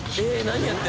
何？